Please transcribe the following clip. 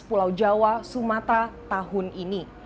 pulau jawa sumatera tahun ini